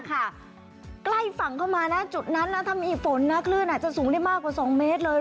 ใกล้ฝั่งเข้ามานะจุดนั้นนะถ้ามีฝนนะคลื่นอาจจะสูงได้มากกว่า๒เมตรเลย